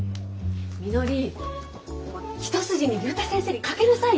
みのり一筋に竜太先生に懸けなさいよ。